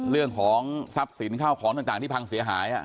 เรื่องของทรัพย์สินข้าวของต่างที่พังเสียหาย